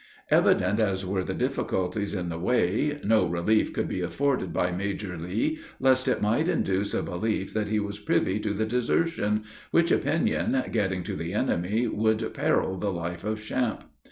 Evident as were the difficulties in the way, no relief could be afforded by Major Lee, lest it might induce a belief that he was privy to the desertion, which opinion getting to the enemy, would peril the life of Champe.